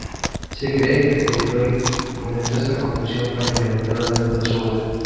Se cree que Polidori fomentó esta confusión para incrementar las ventas de su obra.